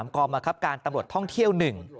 กองมันทรัพย์การตำรวจท่องเที่ยว๑